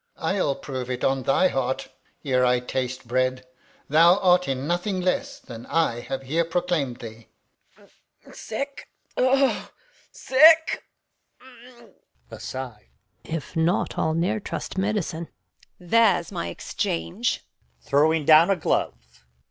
I'll prove it on thy heart, Ere I taste bread, thou art in nothing less Than I have here proclaim'd thee. Reg. Sick, O, sick! Gon. [aside] If not, I'll ne'er trust medicine. Edm. There's my exchange [throws down a glove].